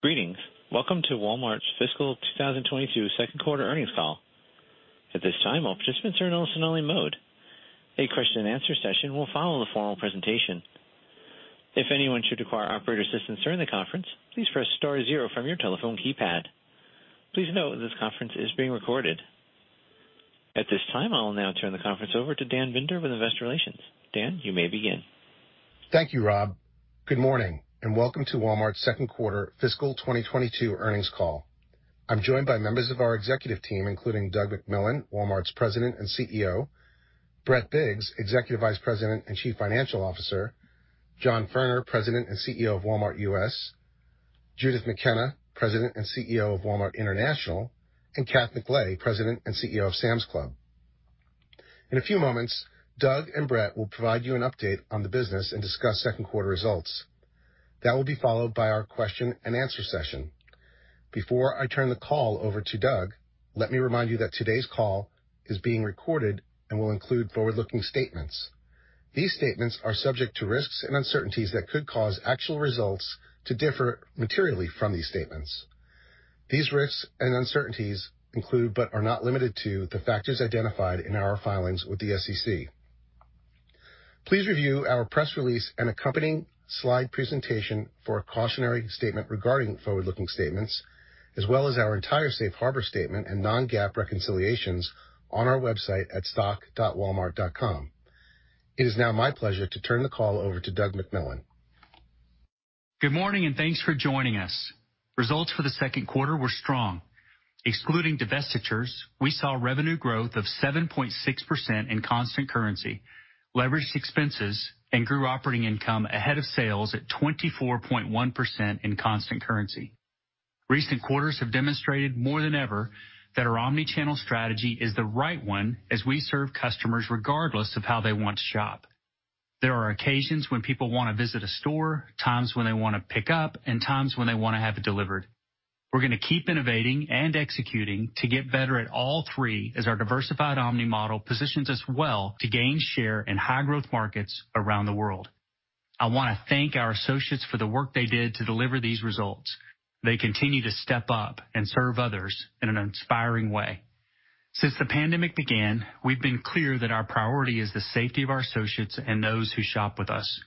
Greetings. Welcome to Walmart's fiscal 2022 second quarter earnings call. At this time, all participants are in listen-only mode. A question and answer session will follow the formal presentation. If anyone should require operator assistance during the conference, please press star zero from your telephone keypad. Please note this conference is being recorded. At this time, I'll now turn the conference over to Dan Binder with Investor Relations. Dan, you may begin. Thank you, Rob. Good morning, and welcome to Walmart's second quarter fiscal 2022 earnings call. I'm joined by members of our executive team, including Doug McMillon, Walmart's President and Chief Executive Officer, Brett Biggs, Executive Vice President and Chief Financial Officer, John Furner, President and Chief Executive Officer of Walmart U.S., Judith McKenna, President and Chief Executive Officer of Walmart International, and Kath McLay, President and Chief Executive Officer of Sam's Club. In a few moments, Doug and Brett will provide you an update on the business and discuss second quarter results. That will be followed by our question and answer session. Before I turn the call over to Doug, let me remind you that today's call is being recorded and will include forward-looking statements. These statements are subject to risks and uncertainties that could cause actual results to differ materially from these statements. These risks and uncertainties include, but are not limited to, the factors identified in our filings with the SEC. Please review our press release and accompanying slide presentation for a cautionary statement regarding forward-looking statements, as well as our entire safe harbor statement and non-GAAP reconciliations on our website at stock.walmart.com. It is now my pleasure to turn the call over to Doug McMillon. Good morning, and thanks for joining us. Results for the second quarter were strong. Excluding divestitures, we saw revenue growth of 7.6% in constant currency, leveraged expenses, grew operating income ahead of sales at 24.1% in constant currency. Recent quarters have demonstrated more than ever that our omni-channel strategy is the right one as we serve customers regardless of how they want to shop. There are occasions when people want to visit a store, times when they want to pick up, and times when they want to have it delivered. We're going to keep innovating and executing to get better at all three as our diversified omni model positions us well to gain share in high growth markets around the world. I want to thank our associates for the work they did to deliver these results. They continue to step up and serve others in an inspiring way. Since the pandemic began, we've been clear that our priority is the safety of our associates and those who shop with us.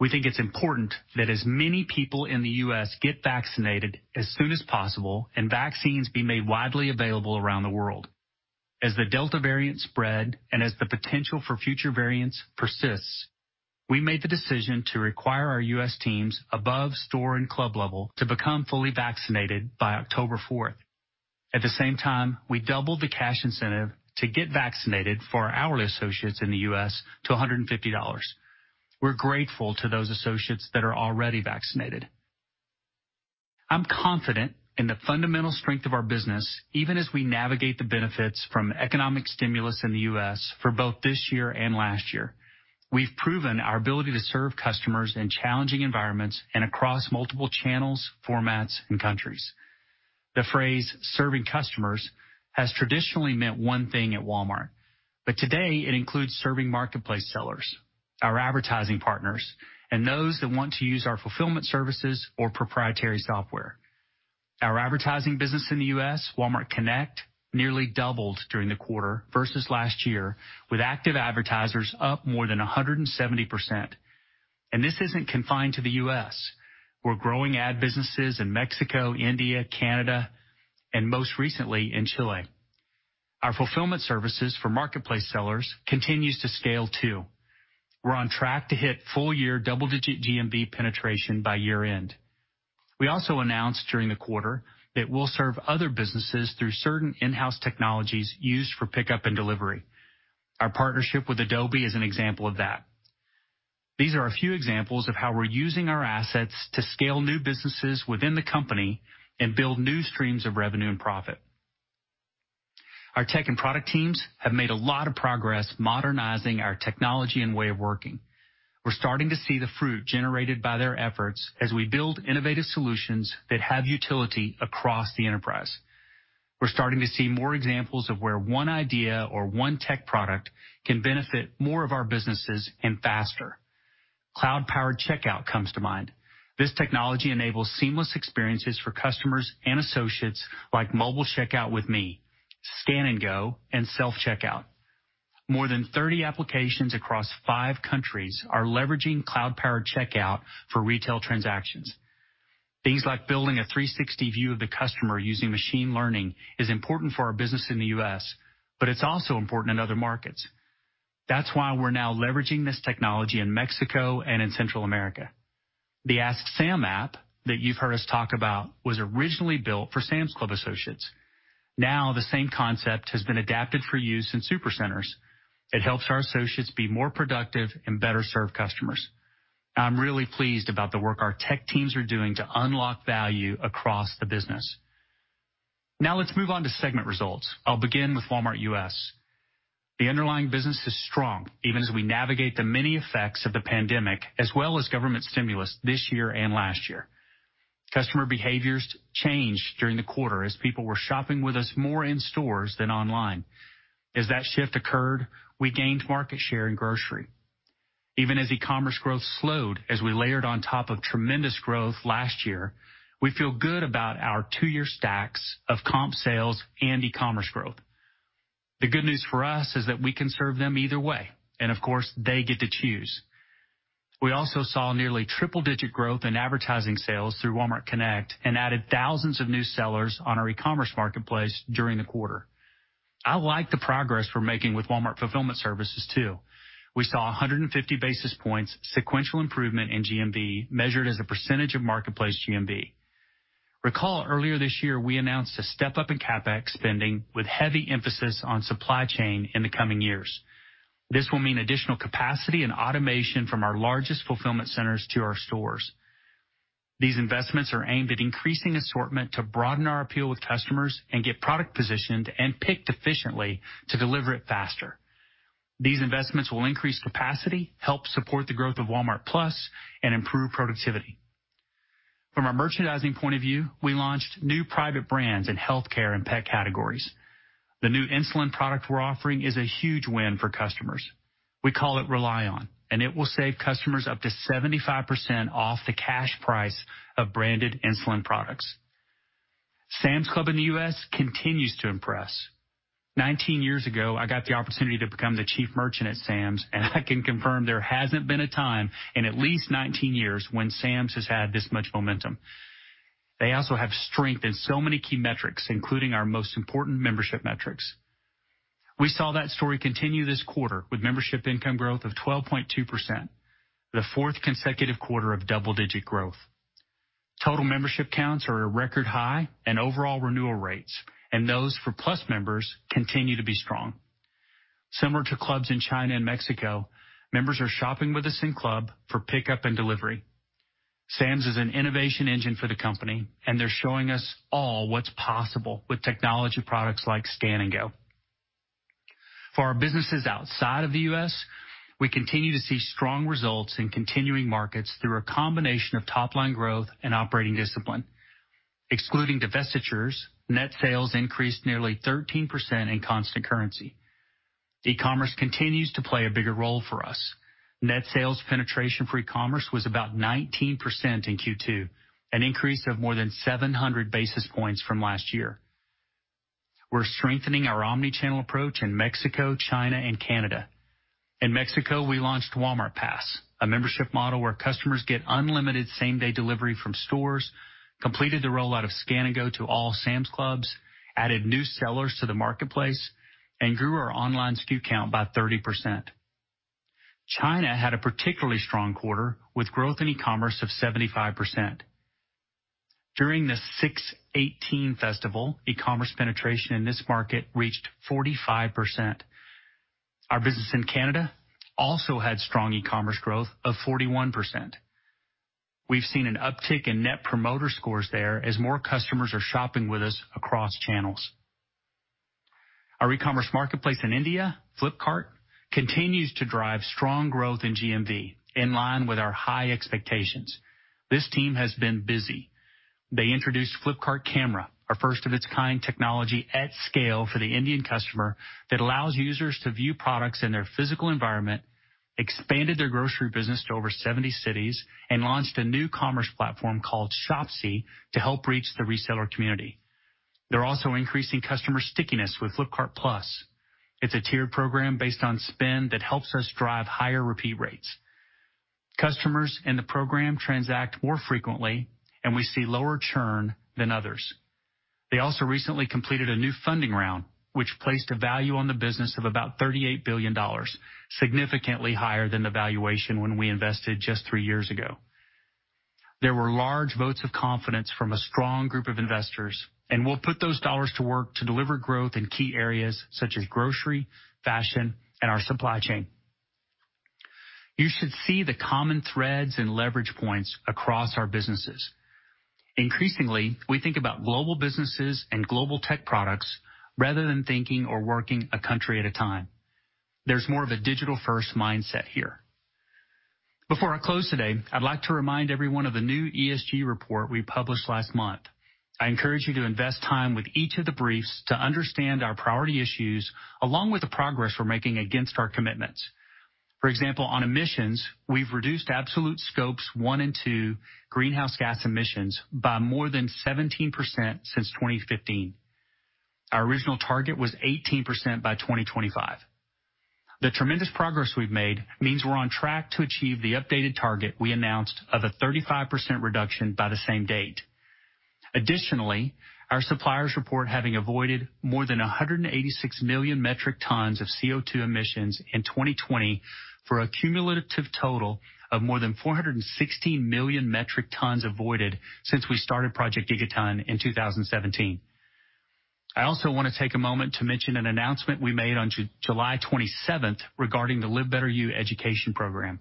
We think it's important that as many people in the U.S. get vaccinated as soon as possible, and vaccines be made widely available around the world. As the Delta variant spread, and as the potential for future variants persists, we made the decision to require our U.S. teams above store and club level to become fully vaccinated by October 4th. At the same time, we doubled the cash incentive to get vaccinated for our hourly associates in the U.S. to $150. We're grateful to those associates that are already vaccinated. I'm confident in the fundamental strength of our business, even as we navigate the benefits from economic stimulus in the U.S. for both this year and last year. We've proven our ability to serve customers in challenging environments and across multiple channels, formats, and countries. The phrase "serving customers" has traditionally meant one thing at Walmart, but today it includes serving marketplace sellers, our advertising partners, and those that want to use our fulfillment services or proprietary software. Our advertising business in the U.S., Walmart Connect, nearly doubled during the quarter versus last year, with active advertisers up more than 170%. This isn't confined to the U.S. We're growing ad businesses in Mexico, India, Canada, and most recently in Chile. Our fulfillment services for marketplace sellers continues to scale, too. We're on track to hit full-year double-digit GMV penetration by year-end. We also announced during the quarter that we'll serve other businesses through certain in-house technologies used for pickup and delivery. Our partnership with Adobe is an example of that. These are a few examples of how we're using our assets to scale new businesses within the company and build new streams of revenue and profit. Our tech and product teams have made a lot of progress modernizing our technology and way of working. We're starting to see the fruit generated by their efforts as we build innovative solutions that have utility across the enterprise. We're starting to see more examples of where one idea or one tech product can benefit more of our businesses and faster. Cloud Powered Checkout comes to mind. This technology enables seamless experiences for customers and associates like mobile checkout with me, Scan & Go, and self-checkout. More than 30 applications across five countries are leveraging Cloud Powered Checkout for retail transactions. Things like building a 360 view of the customer using machine learning is important for our business in the U.S., but it's also important in other markets. That's why we're now leveraging this technology in Mexico and in Central America. The Ask Sam app that you've heard us talk about was originally built for Sam's Club associates. Now the same concept has been adapted for use in supercenters. It helps our associates be more productive and better serve customers. I'm really pleased about the work our tech teams are doing to unlock value across the business. Now let's move on to segment results. I'll begin with Walmart U.S. The underlying business is strong, even as we navigate the many effects of the pandemic, as well as government stimulus this year and last year. Customer behaviors changed during the quarter as people were shopping with us more in stores than online. As that shift occurred, we gained market share in grocery. Even as e-commerce growth slowed as we layered on top of tremendous growth last year, we feel good about our two-year stacks of comp sales and e-commerce growth. The good news for us is that we can serve them either way, and of course, they get to choose. We also saw nearly triple-digit growth in advertising sales through Walmart Connect and added thousands of new sellers on our e-commerce marketplace during the quarter. I like the progress we're making with Walmart Fulfillment Services, too. We saw 150 basis points sequential improvement in GMV, measured as a percentage of marketplace GMV. Recall earlier this year, we announced a step-up in CapEx spending with heavy emphasis on supply chain in the coming years. This will mean additional capacity and automation from our largest fulfillment centers to our stores. These investments are aimed at increasing assortment to broaden our appeal with customers and get product positioned and picked efficiently to deliver it faster. These investments will increase capacity, help support the growth of Walmart+ and improve productivity. From a merchandising point of view, we launched new private brands in healthcare and pet categories. The new insulin product we're offering is a huge win for customers. We call it ReliOn, it will save customers up to 75% off the cash price of branded insulin products. Sam's Club in the U.S. continues to impress. 19 years ago, I got the opportunity to become the chief merchant at Sam's, I can confirm there hasn't been a time in at least 19 years when Sam's has had this much momentum. They also have strength in so many key metrics, including our most important membership metrics. We saw that story continue this quarter with membership income growth of 12.2%, the fourth consecutive quarter of double-digit growth. Total membership counts are at a record high, and overall renewal rates, and those for Plus members, continue to be strong. Similar to clubs in China and Mexico, members are shopping with us in club for pickup and delivery. Sam's is an innovation engine for the company, and they're showing us all what's possible with technology products like Scan & Go. For our businesses outside of the U.S., we continue to see strong results in continuing markets through a combination of top-line growth and operating discipline. Excluding divestitures, net sales increased nearly 13% in constant currency. E-commerce continues to play a bigger role for us. Net sales penetration for e-commerce was about 19% in Q2, an increase of more than 700 basis points from last year. We're strengthening our omnichannel approach in Mexico, China, and Canada. In Mexico, we launched Walmart Pass, a membership model where customers get unlimited same-day delivery from stores, completed the rollout of Scan & Go to all Sam's Club, added new sellers to the marketplace, and grew our online SKU count by 30%. China had a particularly strong quarter, with growth in e-commerce of 75%. During the 618 Festival, e-commerce penetration in this market reached 45%. Our business in Canada also had strong e-commerce growth of 41%. We've seen an uptick in net promoter scores there as more customers are shopping with us across channels. Our e-commerce marketplace in India, Flipkart, continues to drive strong growth in GMV, in line with our high expectations. This team has been busy. They introduced Flipkart Camera, a first-of-its-kind technology at scale for the Indian customer that allows users to view products in their physical environment, expanded their grocery business to over 70 cities, and launched a new commerce platform called Shopsy to help reach the reseller community. They're also increasing customer stickiness with Flipkart+. It's a tiered program based on spend that helps us drive higher repeat rates. Customers in the program transact more frequently, and we see lower churn than others. They also recently completed a new funding round, which placed a value on the business of about $38 billion, significantly higher than the valuation when we invested just three years ago. We'll put those dollars to work to deliver growth in key areas such as grocery, fashion, and our supply chain. You should see the common threads and leverage points across our businesses. Increasingly, we think about global businesses and global tech products rather than thinking or working a country at a time. There's more of a digital-first mindset here. Before I close today, I'd like to remind everyone of the new ESG report we published last month. I encourage you to invest time with each of the briefs to understand our priority issues, along with the progress we're making against our commitments. For example, on emissions, we've reduced absolute Scopes 1 and 2 greenhouse gas emissions by more than 17% since 2015. Our original target was 18% by 2025. The tremendous progress we've made means we're on track to achieve the updated target we announced of a 35% reduction by the same date. Additionally, our suppliers report having avoided more than 186 million metric tons of CO2 emissions in 2020 for a cumulative total of more than 416 million metric tons avoided since we started Project Gigaton in 2017. I also want to take a moment to mention an announcement we made on July 27th regarding the Live Better U education program.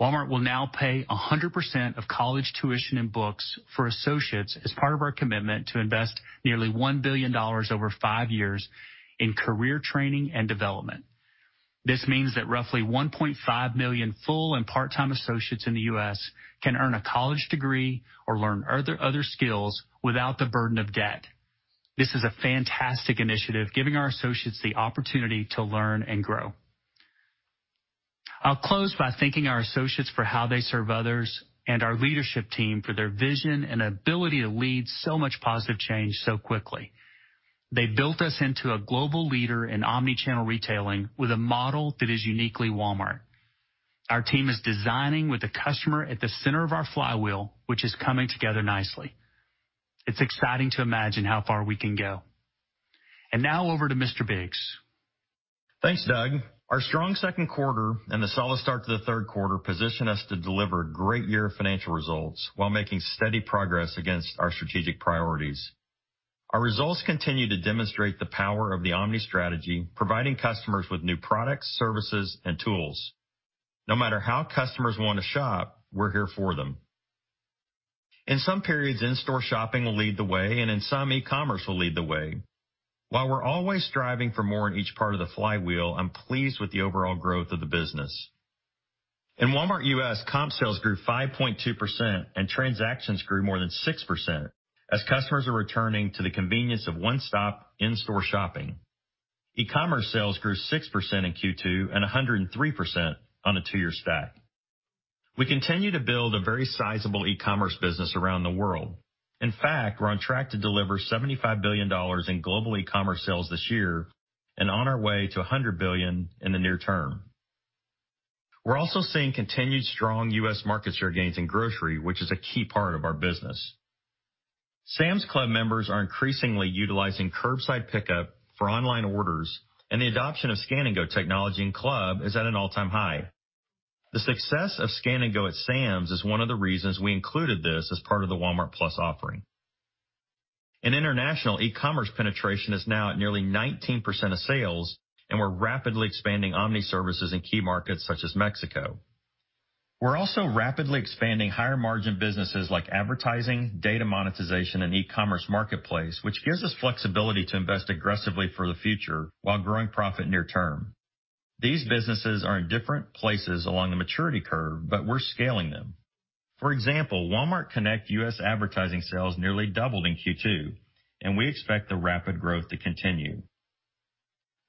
Walmart will now pay 100% of college tuition and books for associates as part of our commitment to invest nearly $1 billion over five years in career training and development. This means that roughly 1.5 million full and part-time associates in the U.S. can earn a college degree or learn other skills without the burden of debt. This is a fantastic initiative, giving our associates the opportunity to learn and grow. I'll close by thanking our associates for how they serve others and our leadership team for their vision and ability to lead so much positive change so quickly. They built us into a global leader in omni-channel retailing with a model that is uniquely Walmart. Our team is designing with the customer at the center of our flywheel, which is coming together nicely. It's exciting to imagine how far we can go. Now over to Mr. Biggs. Thanks, Doug. Our strong second quarter and the solid start to the third quarter position us to deliver a great year of financial results while making steady progress against our strategic priorities. Our results continue to demonstrate the power of the omni strategy, providing customers with new products, services, and tools. No matter how customers want to shop, we're here for them. In some periods, in-store shopping will lead the way, and in some, e-commerce will lead the way. While we're always striving for more in each part of the flywheel, I'm pleased with the overall growth of the business. In Walmart U.S., comp sales grew 5.2% and transactions grew more than 6% as customers are returning to the convenience of one-stop in-store shopping. E-commerce sales grew 6% in Q2 and 103% on a two-year stack. We continue to build a very sizable e-commerce business around the world. We're on track to deliver $75 billion in global e-commerce sales this year and on our way to $100 billion in the near term. We're also seeing continued strong U.S. market share gains in grocery, which is a key part of our business. Sam's Club members are increasingly utilizing curbside pickup for online orders, and the adoption of Scan & Go technology in Club is at an all-time high. The success of Scan & Go at Sam's is one of the reasons we included this as part of the Walmart+ offering. In international, e-commerce penetration is now at nearly 19% of sales, and we're rapidly expanding omni-channel services in key markets such as Mexico. We're also rapidly expanding higher-margin businesses like advertising, data monetization, and e-commerce marketplace, which gives us flexibility to invest aggressively for the future while growing profit near-term. These businesses are in different places along the maturity curve. We're scaling them. For example, Walmart Connect U.S. advertising sales nearly doubled in Q2. We expect the rapid growth to continue.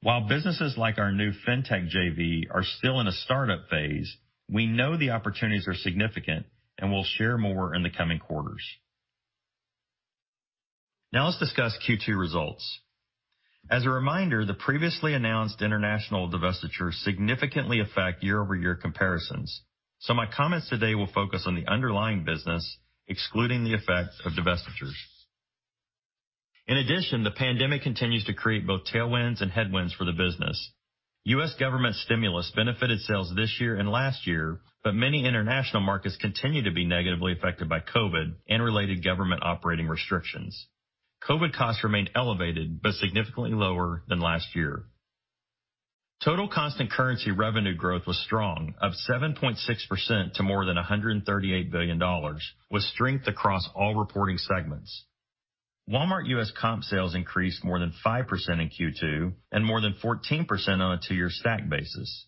While businesses like our new FinTech JV are still in a startup phase, we know the opportunities are significant. We'll share more in the coming quarters. Now let's discuss Q2 results. As a reminder, the previously announced international divestitures significantly affect year-over-year comparisons. My comments today will focus on the underlying business, excluding the effect of divestitures. In addition, the pandemic continues to create both tailwinds and headwinds for the business. U.S. government stimulus benefited sales this year and last year. Many international markets continue to be negatively affected by COVID and related government operating restrictions. COVID costs remain elevated. Significantly lower than last year. Total constant currency revenue growth was strong, up 7.6% to more than $138 billion, with strength across all reporting segments. Walmart U.S. comp sales increased more than 5% in Q2 and more than 14% on a two-year stack basis.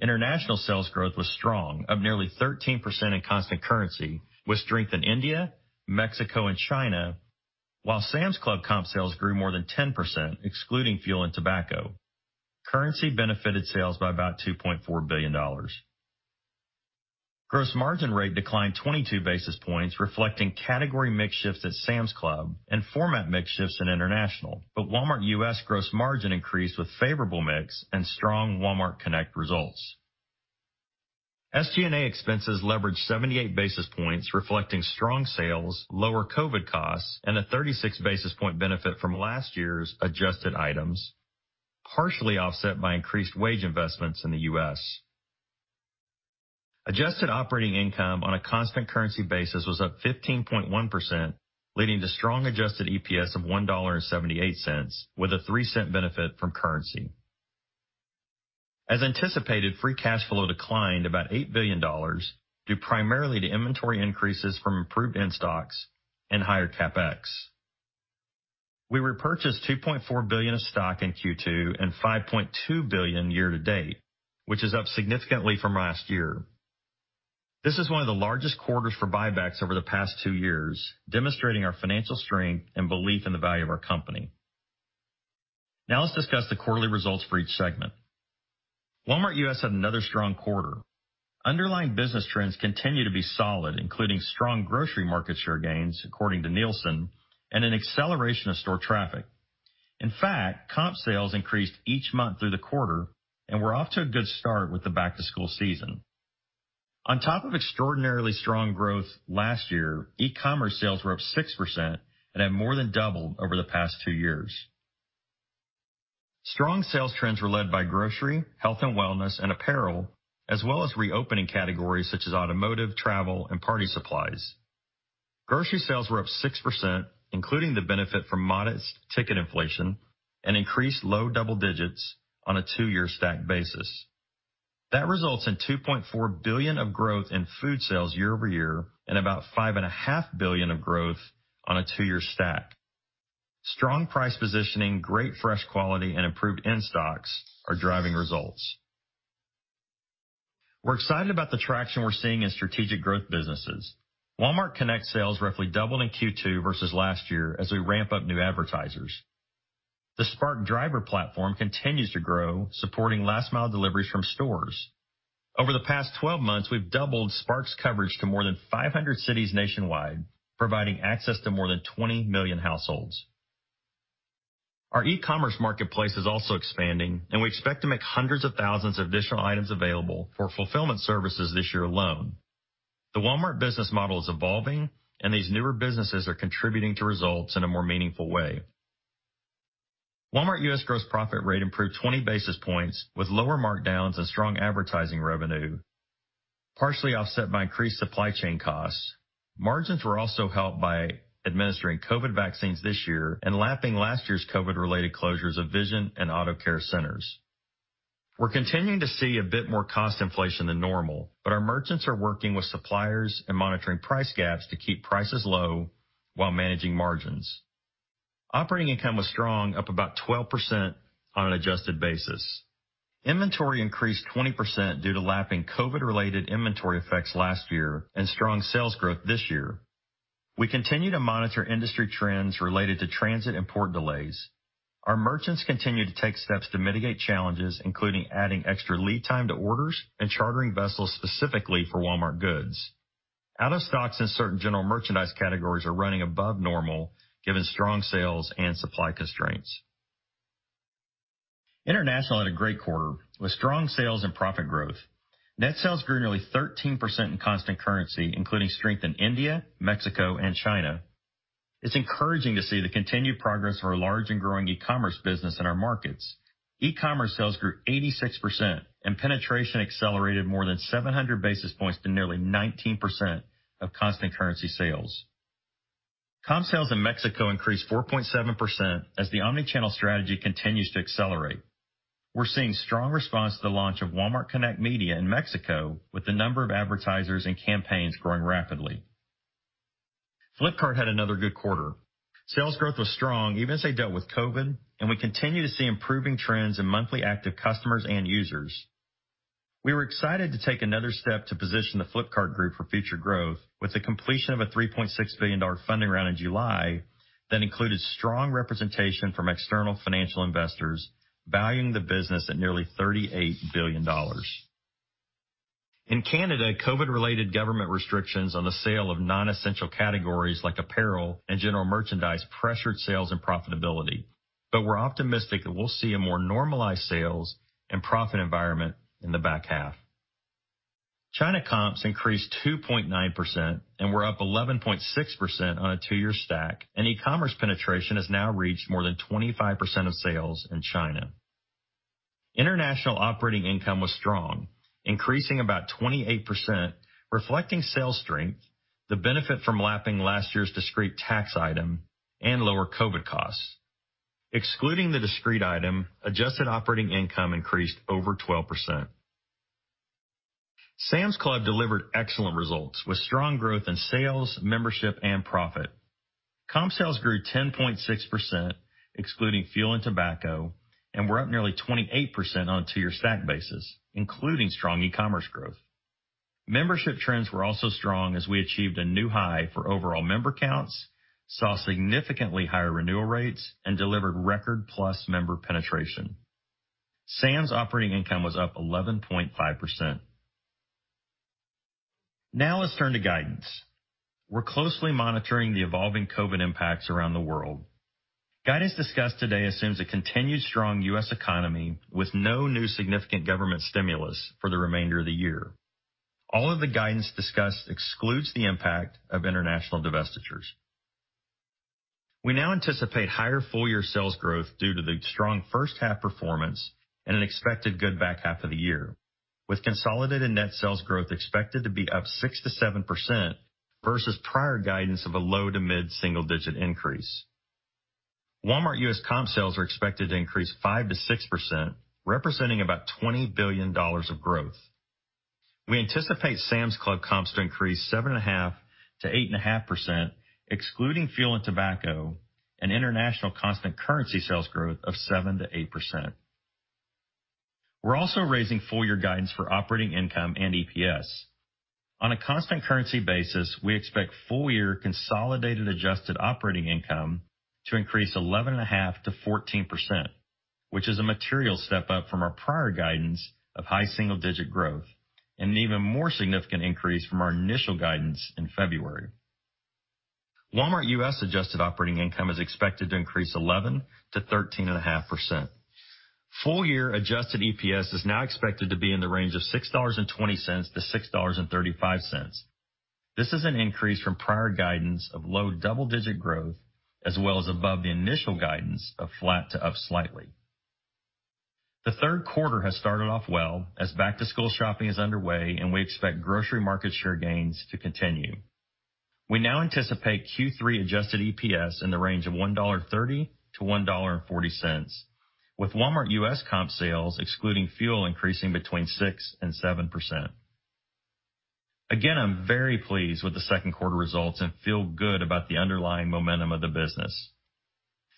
International sales growth was strong, up nearly 13% in constant currency, with strength in India, Mexico, and China. Sam's Club comp sales grew more than 10%, excluding fuel and tobacco. Currency benefited sales by about $2.4 billion. Gross margin rate declined 22 basis points, reflecting category mix shifts at Sam's Club and format mix shifts in international. Walmart U.S. gross margin increased with favorable mix and strong Walmart Connect results. SG&A expenses leveraged 78 basis points, reflecting strong sales, lower COVID costs, and a 36-basis-point benefit from last year's adjusted items, partially offset by increased wage investments in the U.S. Adjusted operating income on a constant currency basis was up 15.1%, leading to strong adjusted EPS of $1.78, with a $0.03 benefit from currency. As anticipated, free cash flow declined about $8 billion due primarily to inventory increases from improved in-stocks and higher CapEx. We repurchased $2.4 billion of stock in Q2 and $5.2 billion year-to-date, which is up significantly from last year. This is one of the largest quarters for buybacks over the past two years, demonstrating our financial strength and belief in the value of our company. Let's discuss the quarterly results for each segment. Walmart U.S. had another strong quarter. Underlying business trends continue to be solid, including strong grocery market share gains, according to Nielsen, and an acceleration of store traffic. Comp sales increased each month through the quarter, and we're off to a good start with the back-to-school season. On top of extraordinarily strong growth last year, e-commerce sales were up 6% and have more than doubled over the past two years. Strong sales trends were led by grocery, health and wellness, and apparel, as well as reopening categories such as automotive, travel, and party supplies. Grocery sales were up 6%, including the benefit from modest ticket inflation and increased low double digits on a two-year stack basis. That results in $2.4 billion of growth in food sales year-over-year and about $5.5 billion of growth on a two-year stack. Strong price positioning, great fresh quality, and improved in-stocks are driving results. We're excited about the traction we're seeing in strategic growth businesses. Walmart Connect sales roughly doubled in Q2 versus last year as we ramp up new advertisers. The Spark Driver platform continues to grow, supporting last-mile deliveries from stores. Over the past 12 months, we've doubled Spark's coverage to more than 500 cities nationwide, providing access to more than 20 million households. Our e-commerce marketplace is also expanding, and we expect to make hundreds of thousands of additional items available for fulfillment services this year alone. The Walmart business model is evolving, and these newer businesses are contributing to results in a more meaningful way. Walmart U.S. gross profit rate improved 20 basis points, with lower markdowns and strong advertising revenue, partially offset by increased supply chain costs. Margins were also helped by administering COVID vaccines this year and lapping last year's COVID-related closures of vision and auto care centers. We're continuing to see a bit more cost inflation than normal, but our merchants are working with suppliers and monitoring price gaps to keep prices low while managing margins. Operating income was strong, up about 12% on an adjusted basis. Inventory increased 20% due to lapping COVID-related inventory effects last year and strong sales growth this year. We continue to monitor industry trends related to transit and port delays. Our merchants continue to take steps to mitigate challenges, including adding extra lead time to orders and chartering vessels specifically for Walmart goods. Out of stocks in certain general merchandise categories are running above normal, given strong sales and supply constraints. International had a great quarter with strong sales and profit growth. Net sales grew nearly 13% in constant currency, including strength in India, Mexico, and China. It's encouraging to see the continued progress of our large and growing e-commerce business in our markets. e-commerce sales grew 86%, and penetration accelerated more than 700 basis points to nearly 19% of constant currency sales. Comp sales in Mexico increased 4.7% as the omni-channel strategy continues to accelerate. We're seeing strong response to the launch of Walmart Connect media in Mexico, with the number of advertisers and campaigns growing rapidly. Flipkart had another good quarter. Sales growth was strong even as they dealt with COVID, and we continue to see improving trends in monthly active customers and users. We were excited to take another step to position the Flipkart Group for future growth with the completion of a $3.6 billion funding round in July that included strong representation from external financial investors, valuing the business at nearly $38 billion. In Canada, COVID-related government restrictions on the sale of non-essential categories like apparel and general merchandise pressured sales and profitability. We're optimistic that we'll see a more normalized sales and profit environment in the back half. China comps increased 2.9%, and were up 11.6% on a two-year stack, and e-commerce penetration has now reached more than 25% of sales in China. International operating income was strong, increasing about 28%, reflecting sales strength, the benefit from lapping last year's discrete tax item, and lower COVID costs. Excluding the discrete item, adjusted operating income increased over 12%. Sam's Club delivered excellent results with strong growth in sales, membership, and profit. Comp sales grew 10.6%, excluding fuel and tobacco, and were up nearly 28% on a two-year stack basis, including strong e-commerce growth. Membership trends were also strong as we achieved a new high for overall member counts, saw significantly higher renewal rates, and delivered record plus member penetration. Sam's operating income was up 11.5%. Let's turn to guidance. We're closely monitoring the evolving COVID impacts around the world. Guidance discussed today assumes a continued strong U.S. economy with no new significant government stimulus for the remainder of the year. All of the guidance discussed excludes the impact of international divestitures. We now anticipate higher full-year sales growth due to the strong first half performance and an expected good back half of the year, with consolidated net sales growth expected to be up 6%-7% versus prior guidance of a low- to mid-single-digit increase. Walmart U.S. comp sales are expected to increase 5%-6%, representing about $20 billion of growth. We anticipate Sam's Club comps to increase 7.5%-8.5%, excluding fuel and tobacco, and international constant currency sales growth of 7%-8%. We are also raising full-year guidance for operating income and EPS. On a constant currency basis, we expect full-year consolidated adjusted operating income to increase 11.5%-14%, which is a material step-up from our prior guidance of high single-digit growth and an even more significant increase from our initial guidance in February. Walmart U.S. adjusted operating income is expected to increase 11%-13.5%. Full-year adjusted EPS is now expected to be in the range of $6.20-$6.35. This is an increase from prior guidance of low double-digit growth, as well as above the initial guidance of flat to up slightly. The third quarter has started off well as back-to-school shopping is underway, and we expect grocery market share gains to continue. We now anticipate Q3 adjusted EPS in the range of $1.30-$1.40, with Walmart U.S. comp sales, excluding fuel, increasing between 6% and 7%. Again, I'm very pleased with the second quarter results and feel good about the underlying momentum of the business.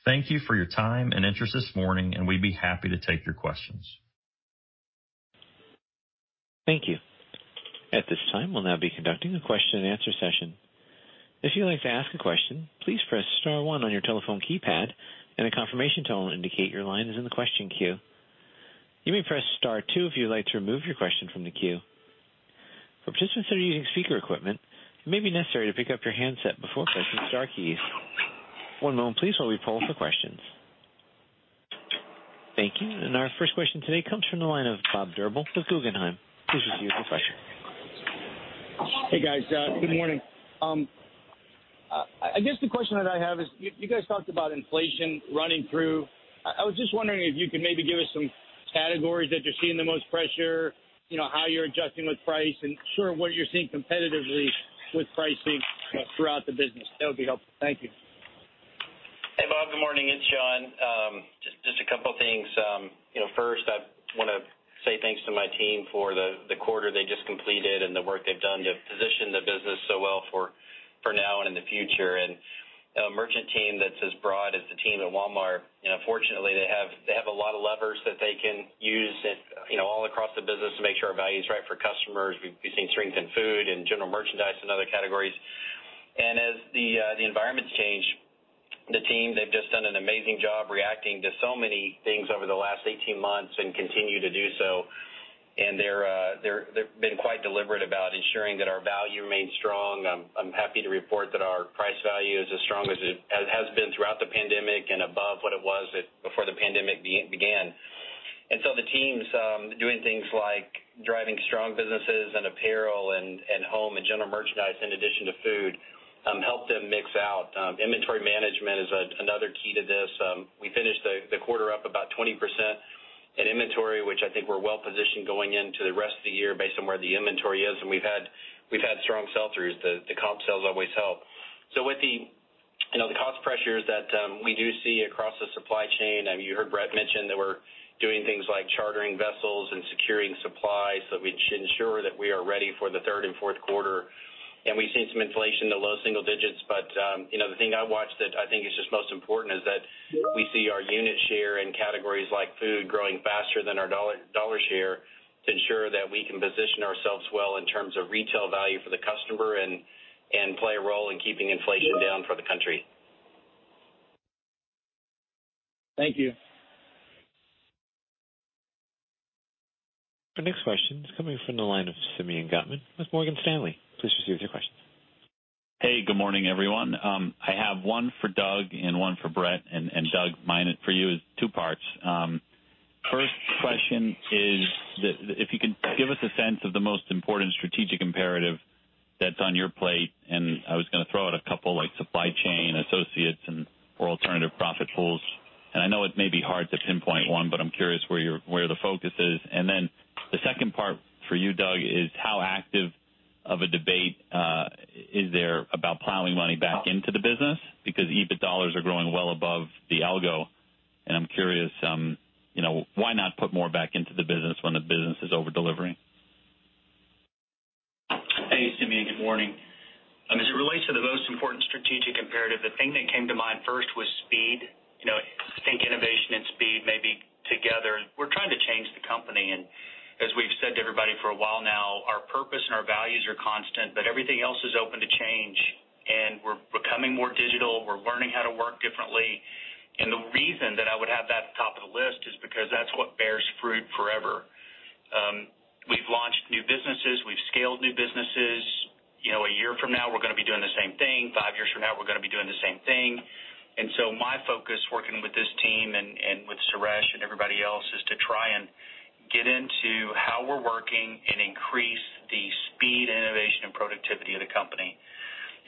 Thank you for your time and interest this morning, and we'd be happy to take your questions. Thank you. At this time, we'll now be conducting a question and answer session. If you'd like to ask a question, please press star one on your telephone keypad, and a confirmation tone will indicate your line is in the question queue. You may press star two if you'd like to remove your question from the queue. For participants that are using speaker equipment, it may be necessary to pick up your handset before pressing star keys. One moment, please, while we poll for questions. Thank you. Our first question today comes from the line of Robert Drbul with Guggenheim. Please proceed with your question. Hey, guys. Good morning. I guess the question that I have is, you guys talked about inflation running through. I was just wondering if you could maybe give us some categories that you're seeing the most pressure, how you're adjusting with price, and sure, what you're seeing competitively with pricing throughout the business. That would be helpful. Thank you. Hey, Bob. Good morning. It's John. Just a couple of things. First, I want to say thanks to my team for the quarter they just completed and the work they've done to position the business so well for now and in the future. A merchant team that's as broad as the team at Walmart, fortunately, they have a lot of levers that they can use all across the business to make sure our value's right for customers. We've been seeing strength in food and general merchandise and other categories. As the environment's changed, the team, they've just done an amazing job reacting to so many things over the last 18 months and continue to do so, and they've been quite deliberate about ensuring that our value remains strong. I'm happy to report that our price value is as strong as it has been throughout the pandemic and above what it was before the pandemic began. The teams doing things like driving strong businesses in apparel and home and general merchandise in addition to food, help them mix out. Inventory management is another key to this. We finished the quarter up about 20% in inventory, which I think we're well positioned going into the rest of the year based on where the inventory is, and we've had strong sell-throughs. The comp sales always help. With the cost pressures that we do see across the supply chain, you heard Brett mention that we're doing things like chartering vessels and securing supplies so we ensure that we are ready for the third and fourth quarter. We've seen some inflation in the low single digits. The thing I watch that I think is just most important is that we see our unit share in categories like food growing faster than our dollar share to ensure that we can position ourselves well in terms of retail value for the customer and play a role in keeping inflation down for the country. Thank you. Our next question is coming from the line of Simeon Gutman with Morgan Stanley. Please proceed with your question. Hey, good morning, everyone. I have one for Doug and one for Brett. Doug, mine for you is two parts. First question is, if you can give us a sense of the most important strategic imperative that's on your plate, and I was going to throw out a couple, like supply chain, associates, and/or alternative profit pools. I know it may be hard to pinpoint one, but I'm curious where the focus is. Then the second part for you, Doug, is how active of a debate is there about plowing money back into the business? Because EBITDA dollars are growing well above the algo, and I'm curious, why not put more back into the business when the business is over-delivering? Hey, Simeon, good morning. As it relates to the most important strategic imperative, the thing that came to mind first was speed. Think innovation and speed may be together. We're trying to change the company, and as we've said to everybody for a while now, our purpose and our values are constant, but everything else is open to change. We're becoming more digital. We're learning how to work differently. The reason that I would have that at the top of the list is because that's what bears fruit forever. We've launched new businesses. We've scaled new businesses. One year from now, we're going to be doing the same thing. Five years from now, we're going to be doing the same thing. My focus working with this team and with Suresh and everybody else is to try and get into how we're working and increase the speed and innovation and productivity of the company.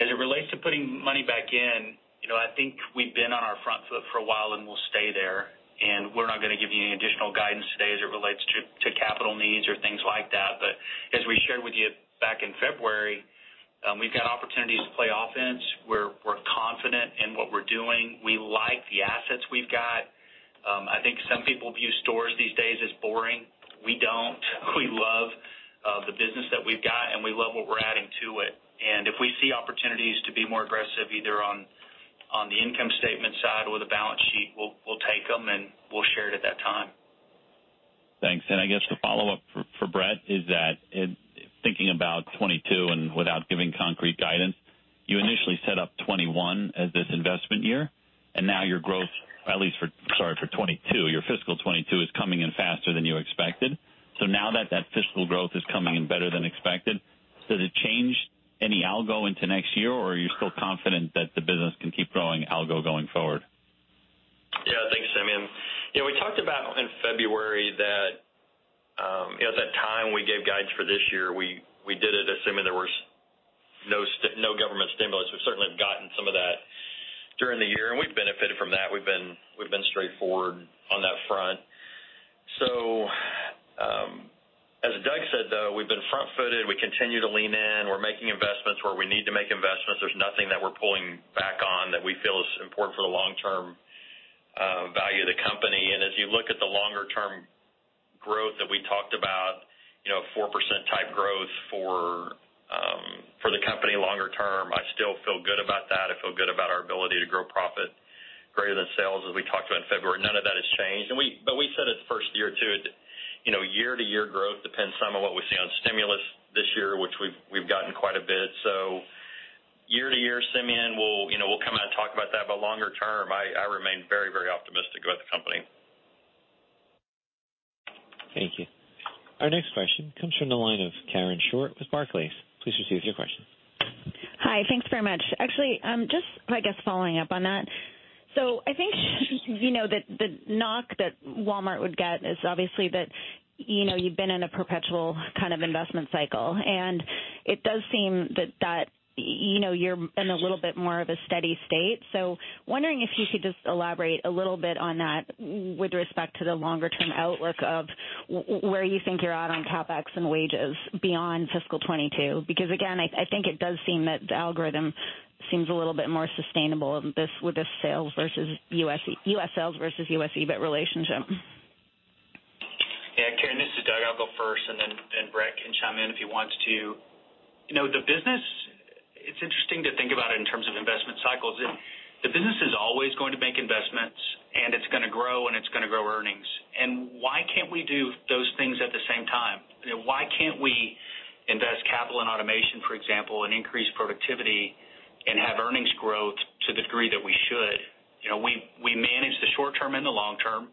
As it relates to putting money back in, I think we've been on our front foot for a while and we'll stay there. We're not going to give you any additional guidance today as it relates to capital needs or things like that. As we shared with you back in February, we've got opportunities to play offense. We're confident in what we're doing. We like the assets we've got. I think some people view stores these days as boring. We don't. We love the business that we've got, and we love what we're adding to it. If we see opportunities to be more aggressive, either on the income statement side or the balance sheet, we'll take them, and we'll share it at that time. Thanks. I guess the follow-up for Brett is that thinking about 2022 and without giving concrete guidance, you initially set up 2021 as this investment year, and now your growth, at least for, sorry, for 2022, your fiscal 2022 is coming in faster than you expected. Now that that fiscal growth is coming in better than expected, does it change any algo into next year, or are you still confident that the business can keep growing algo going forward? Yeah. Thanks, Simeon. We talked about in February that at that time we gave guidance for this year, we did it assuming there was no government stimulus. We've certainly gotten some of that during the year, and we've benefited from that. We've been straightforward on that front. As Doug said, though, we've been front-footed. We continue to lean in. We're making investments where we need to make investments. There's nothing that we're pulling back on that we feel is important for the- Growth that we talked about, 4% type growth for the company longer term, I still feel good about that. I feel good about our ability to grow profit greater than sales, as we talked about in February. None of that has changed. We said it's the first year, too. Year-to-year growth depends some on what we see on stimulus this year, which we've gotten quite a bit. Year-to-year, Simeon, we'll come out and talk about that. Longer term, I remain very optimistic about the company. Thank you. Our next question comes from the line of Karen Short with Barclays. Please proceed with your question. Hi. Thanks very much. Actually, just, I guess, following up on that. I think that the knock that Walmart would get is obviously that you've been in a perpetual kind of investment cycle, and it does seem that you're in a little bit more of a steady state. Wondering if you could just elaborate a little bit on that with respect to the longer-term outlook of where you think you're at on CapEx and wages beyond fiscal 2022. Again, I think it does seem that the algorithm seems a little bit more sustainable with the U.S. sales versus U.S. EBITDA relationship. Karen, this is Doug. I'll go first and then Brett can chime in if he wants to. The business, it's interesting to think about in terms of investment cycles. The business is always going to make investments, and it's going to grow, and it's going to grow earnings. Why can't we do those things at the same time? Why can't we invest capital in automation, for example, and increase productivity and have earnings growth to the degree that we should? We manage the short term and the long term.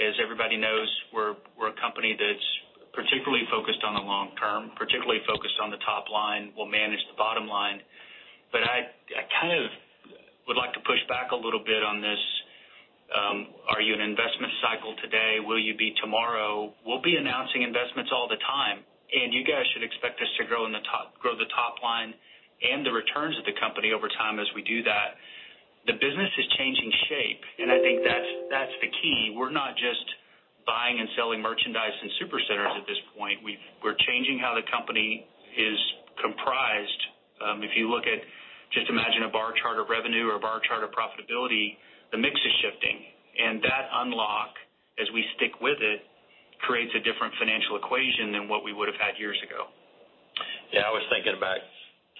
As everybody knows, we're a company that's particularly focused on the long term, particularly focused on the top line. We'll manage the bottom line. I kind of would like to push back a little bit on this. Are you an investment cycle today? Will you be tomorrow? We'll be announcing investments all the time, and you guys should expect us to grow the top line and the returns of the company over time as we do that. The business is changing shape, and I think that's the key. We're not just buying and selling merchandise in Supercenters at this point. We're changing how the company is comprised. Just imagine a bar chart of revenue or a bar chart of profitability, the mix is shifting. That unlock, as we stick with it, creates a different financial equation than what we would've had years ago. Yeah, I was thinking back,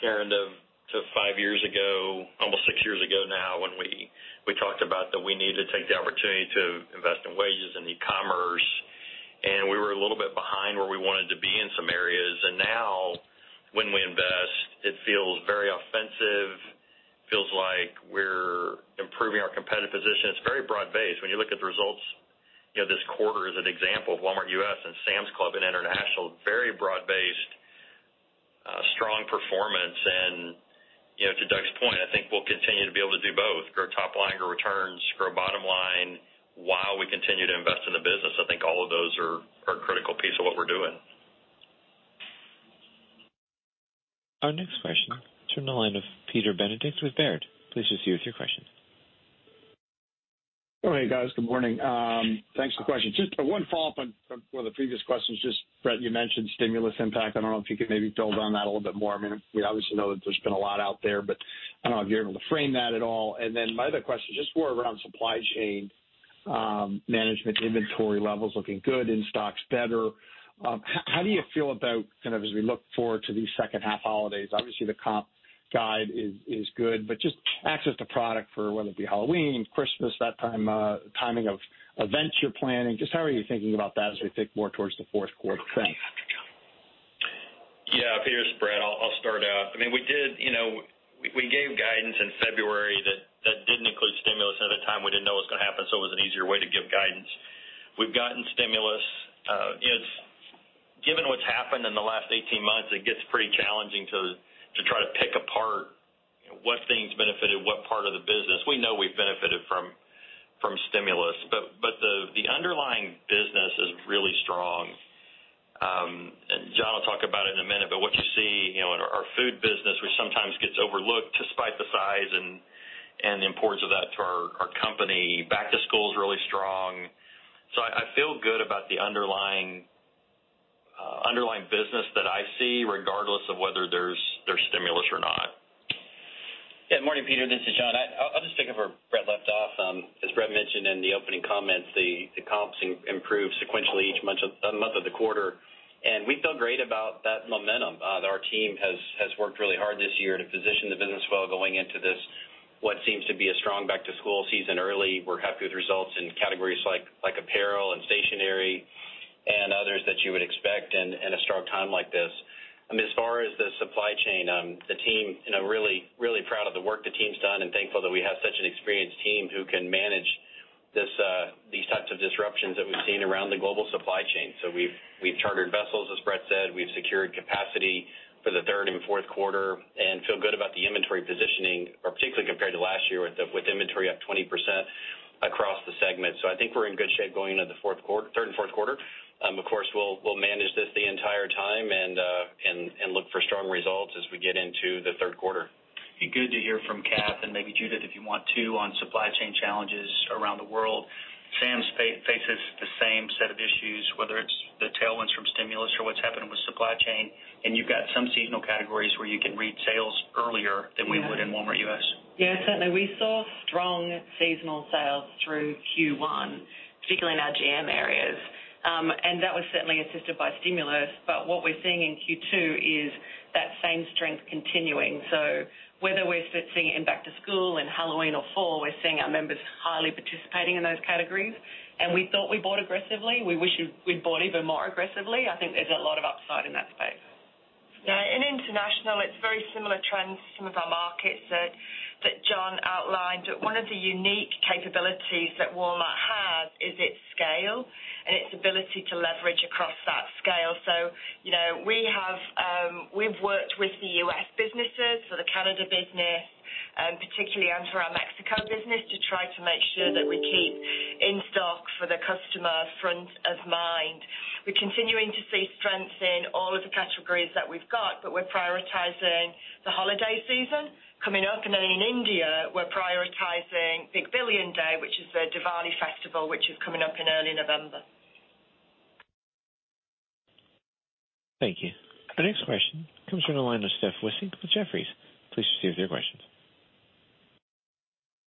Karen, to five years ago, almost six years ago now, when we talked about that we need to take the opportunity to invest in wages and e-commerce, and we were a little bit behind where we wanted to be in some areas. Now, when we invest, it feels very offensive. It feels like we're improving our competitive position. It's very broad-based. When you look at the results this quarter as an example of Walmart U.S. and Sam's Club and International, very broad-based, strong performance. To Doug's point, I think we'll continue to be able to do both, grow top line, grow returns, grow bottom line, while we continue to invest in the business. I think all of those are a critical piece of what we're doing. Our next question, from the line of Peter Benedict with Baird. Please proceed with your question. Hey, guys. Good morning. Thanks for the questions. One follow-up on one of the previous questions. Brett, you mentioned stimulus impact. I don't know if you could maybe build on that a little bit more. We obviously know that there's been a lot out there. I don't know if you're able to frame that at all. My other question is more around supply chain management, inventory levels looking good, in-stocks better. How do you feel about, kind of as we look forward to these second half holidays, obviously the comp guide is good, but access to product for whether it be Halloween, Christmas, that timing of events you're planning, how are you thinking about that as we think more towards the fourth quarter? Thanks. Yeah. Peter, this is Brett. I'll start out. We gave guidance in February that didn't include stimulus. At the time, we didn't know it was going to happen, so it was an easier way to give guidance. We've gotten stimulus. Given what's happened in the last 18 months, it gets pretty challenging to try to pick apart what things benefited what part of the business. We know we've benefited from stimulus, but the underlying business is really strong. John will talk about it in a minute, but what you see in our food business, which sometimes gets overlooked, despite the size and the importance of that to our company. Back to school is really strong. I feel good about the underlying business that I see, regardless of whether there's stimulus or not. Yeah. Morning, Peter. This is John. I'll just pick up where Brett left off. As Brett mentioned in the opening comments, the comps improved sequentially each month of the quarter, and we feel great about that momentum. Our team has worked really hard this year to position the business well going into this, what seems to be a strong back-to-school season early. We're happy with results in categories like apparel and stationery and others that you would expect in a strong time like this. As far as the supply chain, really proud of the work the team's done and thankful that we have such an experienced team who can manage these types of disruptions that we've seen around the global supply chain. We've chartered vessels, as Brett said. We've secured capacity for the third and fourth quarter and feel good about the inventory positioning, particularly compared to last year, with inventory up 20% across the segment. I think we're in good shape going into the third and fourth quarter. Of course, we'll manage this the entire time and look for strong results as we get into the third quarter. Be good to hear from Kath McLay and maybe Judith McKenna, if you want, too, on supply chain challenges around the world. Sam's Club faces the same set of issues, whether it's supply chain, and you've got some seasonal categories where you can read sales earlier than we would in Walmart U.S. Yeah, certainly. We saw strong seasonal sales through Q1, particularly in our GM areas. That was certainly assisted by stimulus. What we're seeing in Q2 is that same strength continuing. Whether we're seeing it in back to school, in Halloween or fall, we're seeing our members highly participating in those categories. We thought we bought aggressively. We wish we'd bought even more aggressively. I think there's a lot of upside in that space. In international, it's very similar trends to some of our markets that John outlined. One of the unique capabilities that Walmart has is its scale and its ability to leverage across that scale. We've worked with the U.S. businesses, for the Canada business, particularly and for our Mexico business, to try to make sure that we keep in stock for the customer front of mind. We're continuing to see strength in all of the categories that we've got. We're prioritizing the holiday season coming up. In India, we're prioritizing Big Billion Day, which is the Diwali festival, which is coming up in early November. Thank you. Our next question comes from the line of Stephanie Wissink with Jefferies. Please proceed with your questions.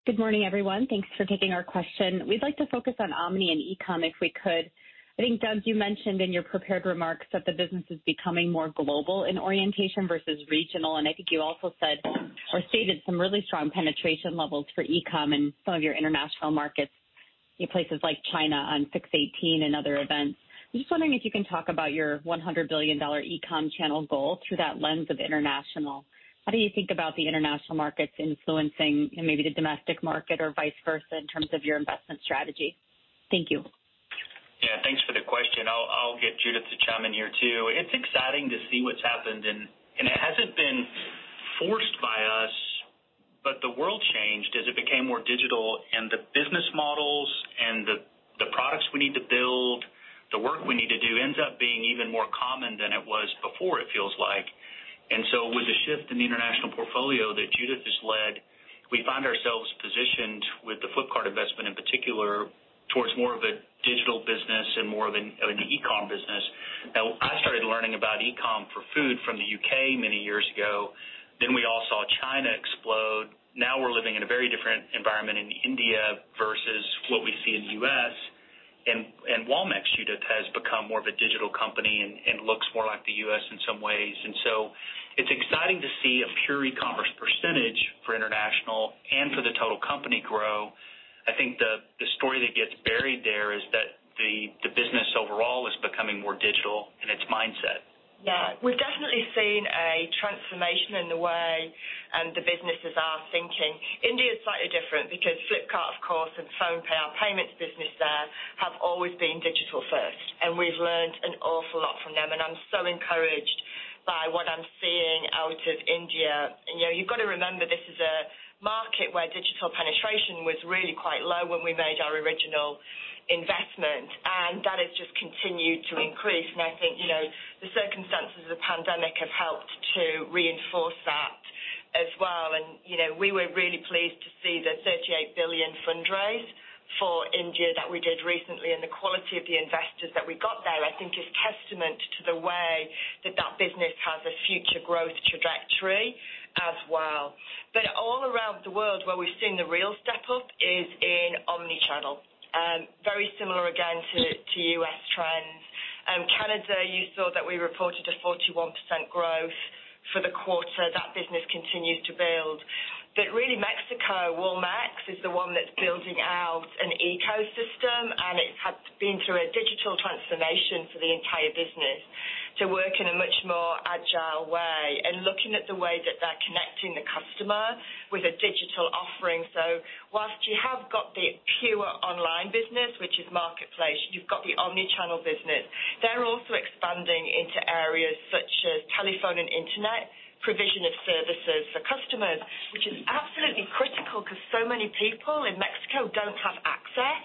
Good morning, everyone. Thanks for taking our question. We'd like to focus on omni and e-com, if we could. I think, Doug, you mentioned in your prepared remarks that the business is becoming more global in orientation versus regional. I think you also said or stated some really strong penetration levels for e-com in some of your international markets, in places like China on 618 and other events. I'm just wondering if you can talk about your $100 billion e-com channel goal through that lens of international. How do you think about the international markets influencing maybe the domestic market or vice versa in terms of your investment strategy? Thank you. Thanks for the question. I'll get Judith to chime in here, too. It's exciting to see what's happened, and it hasn't been forced by us, but the world changed as it became more digital and the business models and the products we need to build, the work we need to do ends up being even more common than it was before, it feels like. And so with the shift in the international portfolio that Judith has led, we find ourselves positioned with the Flipkart investment in particular, towards more of a digital business and more of an e-com business. Now, I started learning about e-com for food from the U.K. many years ago. We all saw China explode. Now we're living in a very different environment in India versus what we see in the U.S. Walmex, Judith, has become more of a digital company and looks more like the U.S. in some ways. It's exciting to see a pure e-commerce percentage for international and for the total company grow. I think the story that gets buried there is that the business overall is becoming more digital in its mindset. Yeah. We've definitely seen a transformation in the way the businesses are thinking. India is slightly different because Flipkart, of course, and PhonePe, our payments business there, have always been digital first, and we've learned an awful lot from them, and I'm so encouraged by what I'm seeing out of India. You've got to remember this is a market where digital penetration was really quite low when we made our original investment, and that has just continued to increase. I think the circumstances of the pandemic have helped to reinforce that as well. We were really pleased to see the $38 billion fundraise for India that we did recently. The quality of the investors that we got there, I think is testament to the way that that business has a future growth trajectory as well. All around the world, where we're seeing the real step up is in omni-channel. Very similar, again, to U.S. trends. Canada, you saw that we reported a 41% growth for the quarter. That business continues to build. Really, Mexico, Walmex, is the one that's building out an ecosystem, and it has been through a digital transformation for the entire business to work in a much more agile way and looking at the way that they're connecting the customer with a digital offering. Whilst you have got the pure online business, which is marketplace, you've got the omni-channel business. They're also expanding into areas such as telephone and Internet, provision of services for customers, which is absolutely critical because so many people in Mexico don't have access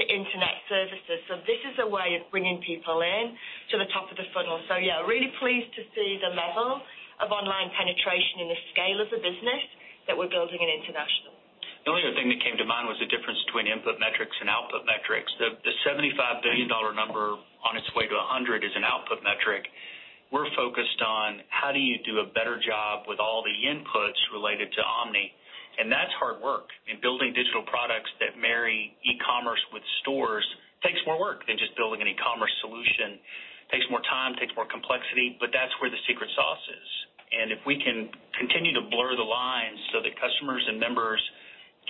to Internet services. This is a way of bringing people in to the top of the funnel. Really pleased to see the level of online penetration and the scale of the business that we're building in International. The only other thing that came to mind was the difference between input metrics and output metrics. The $75 billion number on its way to 100 is an output metric. We're focused on how do you do a better job with all the inputs related to omni, that's hard work. Building digital products that marry e-commerce with stores takes more work than just building an e-commerce solution, takes more time, takes more complexity, but that's where the secret sauce is. If we can continue to blur the lines so that customers and members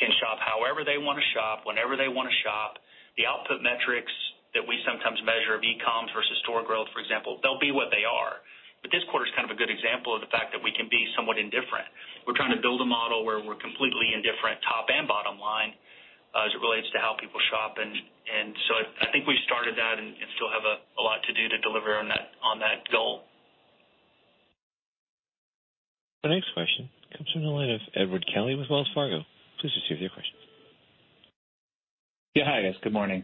can shop however they want to shop, whenever they want to shop, the output metrics that we sometimes measure of e-com versus store growth, for example, they'll be what they are. This quarter is kind of a good example of the fact that we can be somewhat indifferent. We're trying to build a model where we're completely indifferent, top and bottom line, as it relates to how people shop. I think we've started that and still have a lot to do to deliver on that goal. Our next question comes from the line of Edward Kelly with Wells Fargo. Please proceed with your question. Yeah. Hi, guys. Good morning.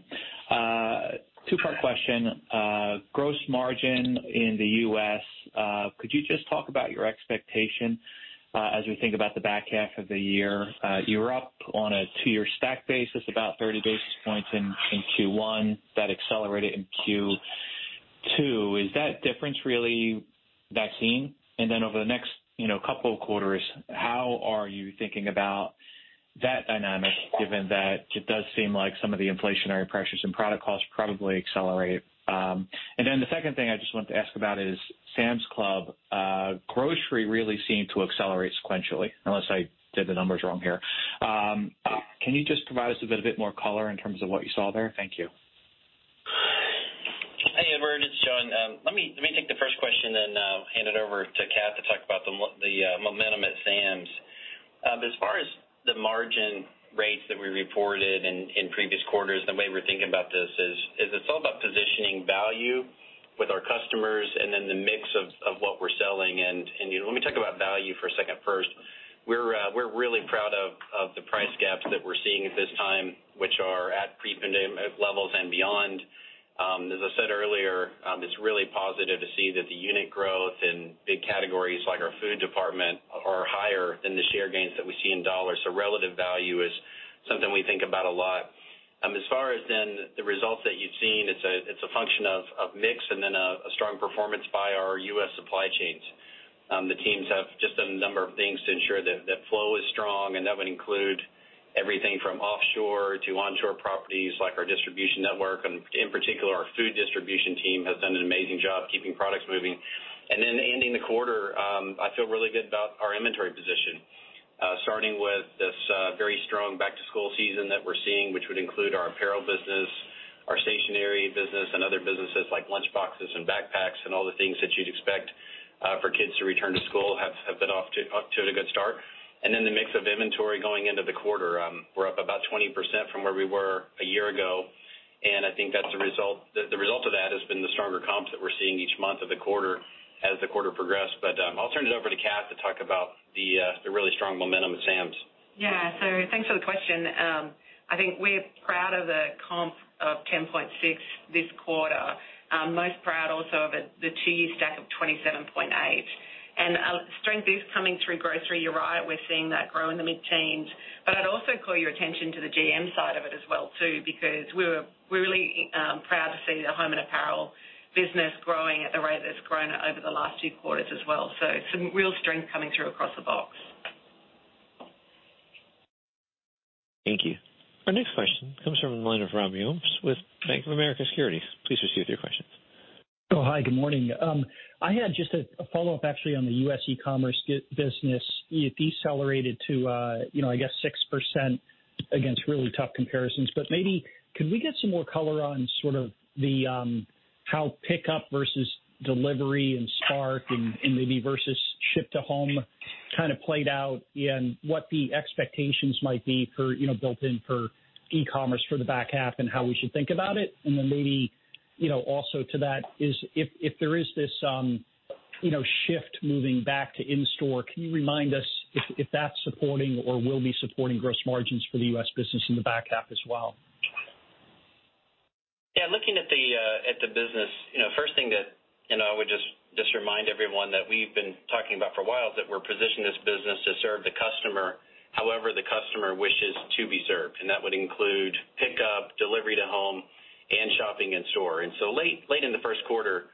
Two-part question. Gross margin in the U.S. Could you just talk about your expectation as we think about the back half of the year? You were up on a two-year stack basis about 30 basis points in Q1. That accelerated in Q2. Is that difference really vaccine? Then over the next couple of quarters, how are you thinking about that dynamic, given that it does seem like some of the inflationary pressures and product costs probably accelerate? Then the second thing I just wanted to ask about is Sam's Club. Grocery really seemed to accelerate sequentially, unless I did the numbers wrong here. Can you just provide us with a bit more color in terms of what you saw there? Thank you. Hey, Edward. It's John. Let me take the first question then hand it over to Kath McLay to talk about the momentum at Sam's Club. As far as the margin rates that we reported in previous quarters, the way we're thinking about this is, it's all about positioning value with our customers and then the mix of what we're selling. Let me talk about value for a second first. We're really proud of the price gaps that we're seeing at this time, which are at pre-pandemic levels and beyond. As I said earlier, it's really positive to see that the unit growth in big categories like our food department are higher than the share gains that we see in dollars. Relative value is something we think about a lot. As far as then the results that you've seen, it's a function of mix and then a strong performance by our U.S. supply chains. The teams have just done a number of things to ensure that that flow is strong, and that would include everything from offshore to onshore properties like our distribution network. In particular, our food distribution team has done an amazing job keeping products moving. Ending the quarter, I feel really good about our inventory position. Starting with this very strong back-to-school season that we're seeing, which would include our apparel business, our stationery business, and other businesses like lunchboxes and backpacks and all the things that you'd expect for kids to return to school have been off to a good start. The mix of inventory going into the quarter. We're up about 20% from where we were a year ago. I think the result of that has been the stronger comps that we're seeing each month of the quarter as the quarter progressed. I'll turn it over to Kath McLay to talk about the really strong momentum at Sam's. Yeah. Thanks for the question. I think we're proud of the comp of 10.6% this quarter. Most proud also of the two-year stack of 27.8%. Strength is coming through grocery, you're right. We're seeing that grow in the mid-teens. I'd also call your attention to the GM side of it as well too, because we're really proud to see the home and apparel business growing at the rate that it's grown over the last two quarters as well. Some real strength coming through across the box. Thank you. Our next question comes from the line of Robbie Ohmes with Bank of America Securities. Please proceed with your question. Oh, hi. Good morning. I had just a follow-up, actually, on the U.S. e-commerce business. It decelerated to, I guess, 6% against really tough comparisons. Maybe could we get some more color on how pickup versus delivery and Spark and maybe versus ship-to-home kind of played out and what the expectations might be built in for e-commerce for the back half and how we should think about it? Maybe, also to that is, if there is this shift moving back to in-store, can you remind us if that's supporting or will be supporting gross margins for the U.S. business in the back half as well? Yeah, looking at the business, first thing that I would just remind everyone that we've been talking about for a while, is that we're positioning this business to serve the customer however the customer wishes to be served. That would include pickup, delivery to home, and shopping in store. Late in the first quarter,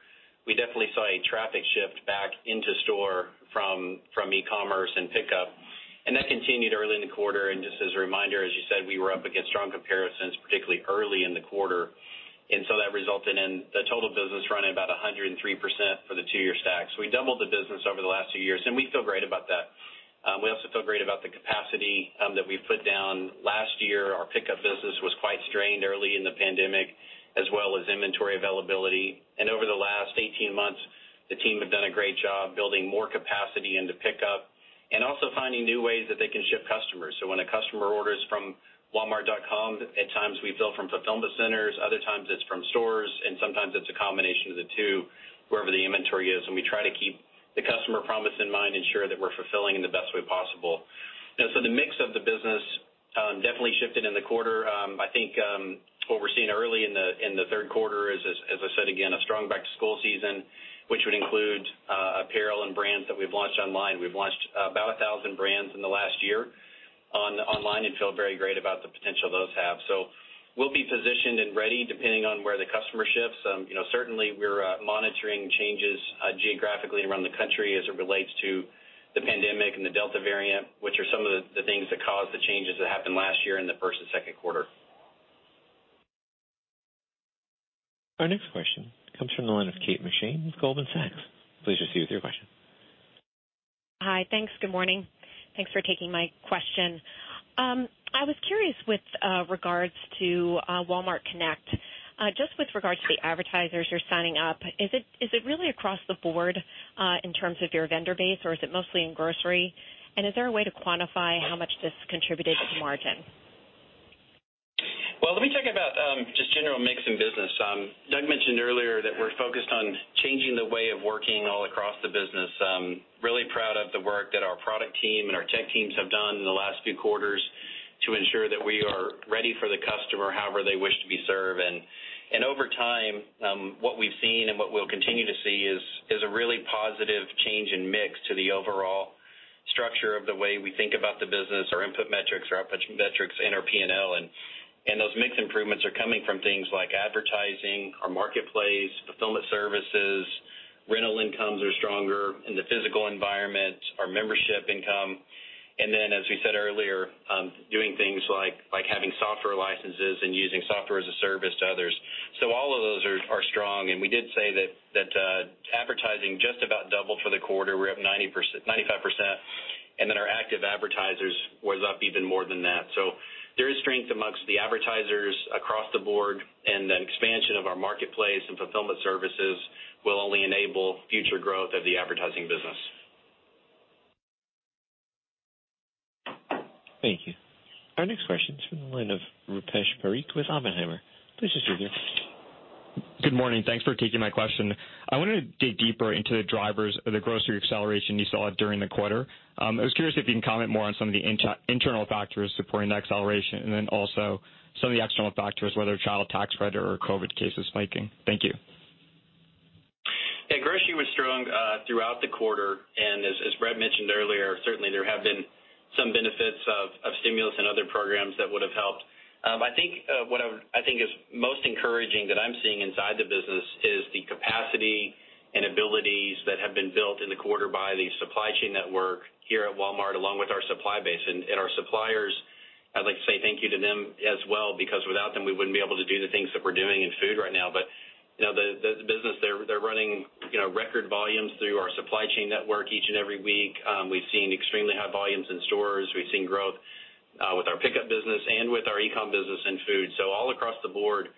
we definitely saw a traffic shift back into store from e-commerce and pickup. That continued early in the quarter. Just as a reminder, as you said, we were up against strong comparisons, particularly early in the quarter. That resulted in the total business running about 103% for the two-year stacks. We doubled the business over the last two years, and we feel great about that. We also feel great about the capacity that we've put down. Last year, our pickup business was quite strained early in the pandemic, as well as inventory availability. Over the last 18 months, the team have done a great job building more capacity into pickup and also finding new ways that they can ship customers. When a customer orders from walmart.com, at times we fill from fulfillment centers, other times it's from stores, and sometimes it's a combination of the two, wherever the inventory is. We try to keep the customer promise in mind, ensure that we're fulfilling in the best way possible. The mix of the business definitely shifted in the quarter. I think what we're seeing early in the third quarter is, as I said again, a strong back-to-school season, which would include apparel and brands that we've launched online. We've launched about 1,000 brands in the last year online and feel very great about the potential those have. We'll be positioned and ready depending on where the customer shifts. Certainly, we're monitoring changes geographically around the country as it relates to the pandemic and the Delta variant, which are some of the things that caused the changes that happened last year in the first and second quarter. Our next question comes from the line of Kate McShane with Goldman Sachs. Please proceed with your question. Hi. Thanks. Good morning. Thanks for taking my question. I was curious with regards to Walmart Connect. Just with regard to the advertisers you're signing up, is it really across the board, in terms of your vendor base, or is it mostly in grocery? Is there a way to quantify how much this contributed to margin? Well, let me talk about just general mix in business. Doug mentioned earlier that we're focused on changing the way of working all across the business. Our team and our tech teams have done in the last few quarters to ensure that we are ready for the customer however they wish to be served. Over time, what we've seen and what we'll continue to see is a really positive change in mix to the overall structure of the way we think about the business, our input metrics, our output metrics, and our P&L. Those mix improvements are coming from things like advertising, our marketplace, fulfillment services, rental incomes are stronger in the physical environment, our membership income. Then, as we said earlier, doing things like having software licenses and using software as a service to others. All of those are strong, and we did say that advertising just about doubled for the quarter. We're up 95%. Our active advertisers was up even more than that. There is strength amongst the advertisers across the board, and the expansion of our marketplace and fulfillment services will only enable future growth of the advertising business. Thank you. Our next question is from the line of Rupesh Parikh with Oppenheimer. Please proceed with your question. Good morning. Thanks for taking my question. I wanted to dig deeper into the drivers of the grocery acceleration you saw during the quarter. I was curious if you can comment more on some of the internal factors supporting that acceleration and then also some of the external factors, whether child tax credit or COVID cases spiking. Thank you. Yeah. Grocery was strong throughout the quarter, as Brett mentioned earlier, certainly there have been some benefits of stimulus and other programs that would've helped. I think what is most encouraging that I'm seeing inside the business is the capacity and abilities that have been built in the quarter by the supply chain network here at Walmart, along with our supply base. Our suppliers, I'd like to say thank you to them as well, because without them, we wouldn't be able to do the things that we're doing in food right now. The business, they're running record volumes through our supply chain network each and every week. We've seen extremely high volumes in stores. We've seen growth with our Pickup business and with our e-com business in food. All across the board,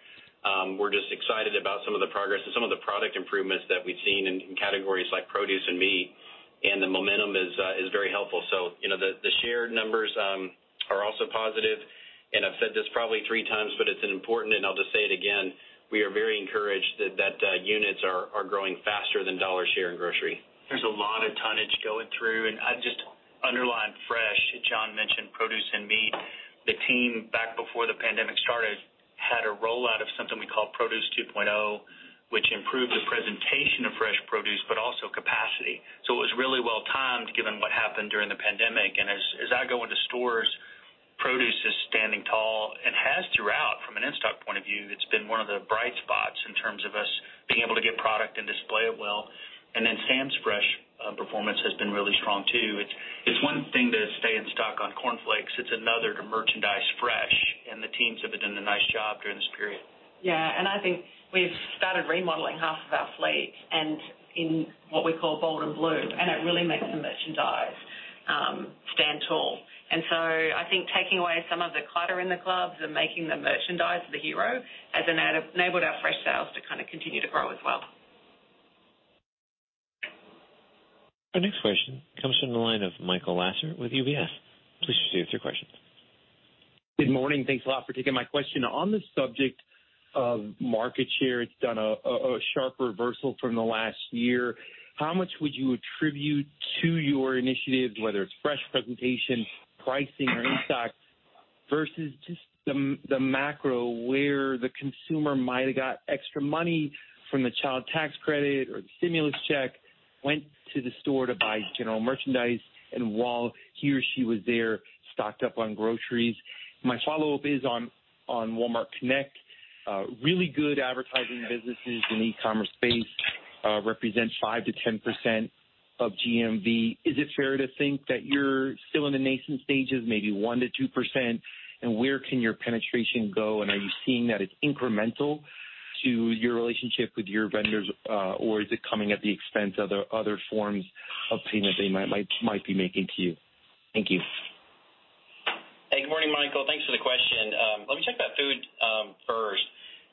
we're just excited about some of the progress and some of the product improvements that we've seen in categories like produce and meat, and the momentum is very helpful. The shared numbers are also positive, and I've said this probably 3x, but it's important, and I'll just say it again, we are very encouraged that units are growing faster than dollar share in grocery. There's a lot of tonnage going through, and I'd just underline fresh. John mentioned produce and meat. The team, back before the pandemic started, had a rollout of something we call Produce 2.0, which improved the presentation of fresh produce, but also capacity. It was really well-timed given what happened during the pandemic. As I go into stores, produce is standing tall and has throughout, from an in-stock point of view. It's been one of the bright spots in terms of us being able to get product and display it well. Sam's fresh performance has been really strong, too. It's one thing to stay in stock on cornflakes, it's another to merchandise fresh, and the teams have done a nice job during this period. Yeah. I think we've started remodeling half of our fleet and in what we call bold and blue, and it really makes the merchandise stand tall. I think taking away some of the clutter in the clubs and making the merchandise the hero has enabled our fresh sales to kind of continue to grow as well. Our next question comes from the line of Michael Lasser with UBS. Please proceed with your question. Good morning. Thanks a lot for taking my question. On the subject of market share, it's done a sharp reversal from the last year. How much would you attribute to your initiatives, whether it's fresh presentation, pricing, or in-stock, versus just the macro where the consumer might've got extra money from the child tax credit or the stimulus check, went to the store to buy general merchandise, and while he or she was there, stocked up on groceries? My follow-up is on Walmart Connect. Really good advertising businesses in the e-commerce space represent 5%-10% of GMV. Is it fair to think that you're still in the nascent stages, maybe 1%-2%, and where can your penetration go? Are you seeing that it's incremental to your relationship with your vendors, or is it coming at the expense of other forms of payment they might be making to you? Thank you. Hey, good morning, Michael. Thanks for the question. Let me talk about food first.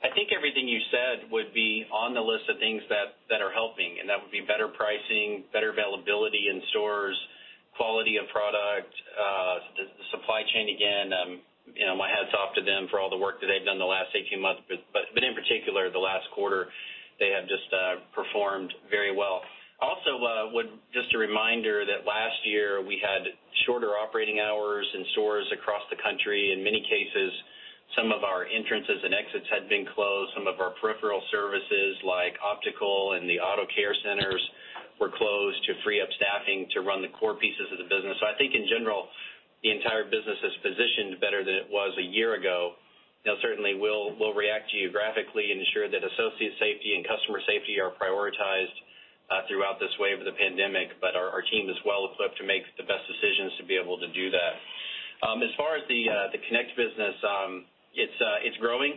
I think everything you said would be on the list of things that are helping. That would be better pricing, better availability in stores, quality of product, the supply chain, again. My hat's off to them for all the work that they've done in the last 18 months. In particular, the last quarter, they have just performed very well. Just a reminder that last year we had shorter operating hours in stores across the country. In many cases, some of our entrances and exits had been closed. Some of our peripheral services like optical and the auto care centers were closed to free up staffing to run the core pieces of the business. I think in general, the entire business is positioned better than it was a year ago. Now, certainly, we'll react geographically, ensure that associate safety and customer safety are prioritized throughout this wave of the pandemic, but our team is well-equipped to make the best decisions to be able to do that. As far as the Connect business, it's growing.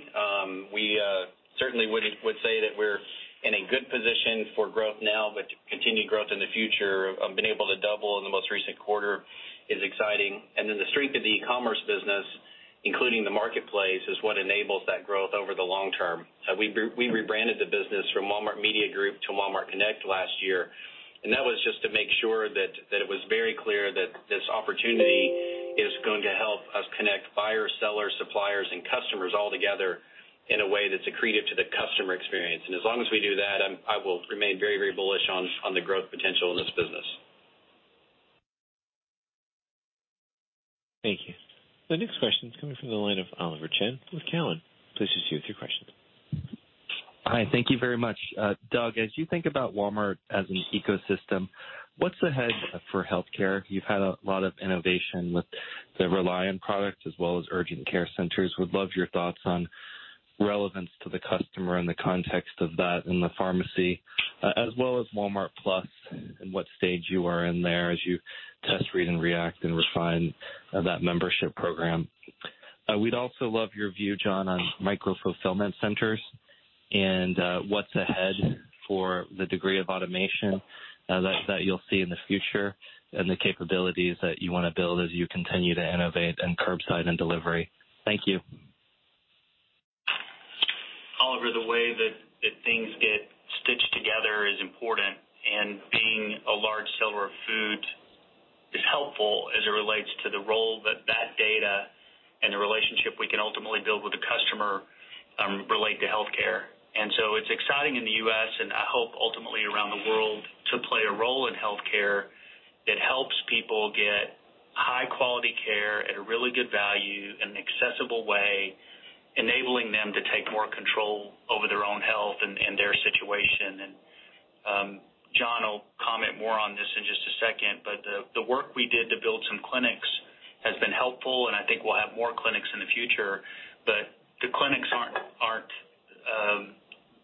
We certainly would say that we're in a good position for growth now, but continued growth in the future, being able to double in the most recent quarter is exciting. The strength of the e-commerce business, including the marketplace, is what enables that growth over the long term. We rebranded the business from Walmart Media Group to Walmart Connect last year, and that was just to make sure that it was very clear that this opportunity is going to help us connect by- In a way that's accretive to the customer experience. As long as we do that, I will remain very bullish on the growth potential in this business. Thank you. The next question is coming from the line of Oliver Chen with Cowen. Please proceed with your question. Hi, thank you very much. Doug, as you think about Walmart as an ecosystem, what's ahead for healthcare? You've had a lot of innovation with the ReliOn product as well as urgent care centers. Would love your thoughts on relevance to the customer in the context of that in the pharmacy, as well as Walmart+ and what stage you are in there as you test, read, and react, and refine that membership program. We'd also love your view, John, on micro-fulfillment centers and what's ahead for the degree of automation that you'll see in the future and the capabilities that you want to build as you continue to innovate in curbside and delivery. Thank you. Oliver, the way that things get stitched together is important, and being a large seller of food is helpful as it relates to the role that that data and the relationship we can ultimately build with the customer relate to healthcare. It's exciting in the U.S., and I hope ultimately around the world, to play a role in healthcare that helps people get high-quality care at a really good value in an accessible way, enabling them to take more control over their own health and their situation. John will comment more on this in just a second, but the work we did to build some clinics has been helpful, and I think we'll have more clinics in the future. The clinics aren't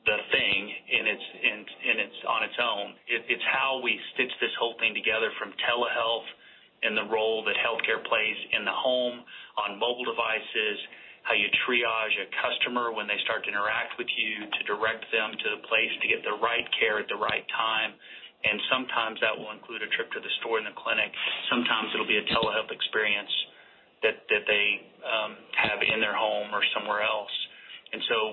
the thing on its own. It's how we stitch this whole thing together from telehealth and the role that healthcare plays in the home, on mobile devices, how you triage a customer when they start to interact with you to direct them to the place to get the right care at the right time. Sometimes that will include a trip to the store and the clinic. Sometimes it'll be a telehealth experience that they have in their home or somewhere else.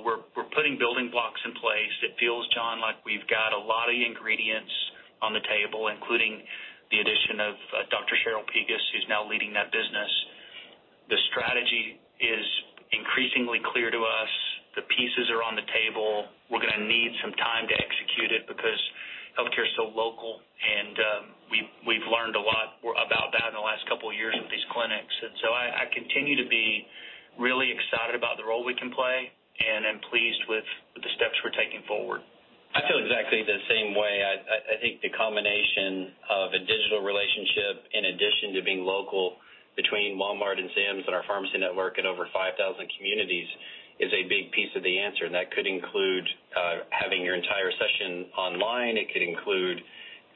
We're putting building blocks in place. It feels, John, like we've got a lot of the ingredients on the table, including the addition of Dr. Cheryl Pegus, who's now leading that business. The strategy is increasingly clear to us. The pieces are on the table. We're going to need some time to execute it because healthcare is so local, and we've learned a lot about that in the last couple of years with these clinics. I continue to be really excited about the role we can play and am pleased with the steps we're taking forward. I feel exactly the same way. The combination of a digital relationship, in addition to being local between Walmart and Sam's and our pharmacy network in over 5,000 communities, is a big piece of the answer. That could include having your entire session online. It could include